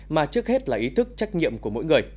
mà trước hết là ý thức trách nhiệm của mỗi người